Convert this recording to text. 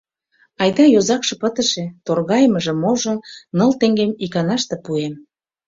Айда йозакше пытыже, торгайымыже-можо, ныл теҥгем иканаште пуэм...